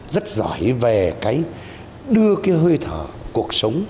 rất giỏi về cái đưa cái hơi thở cuộc sống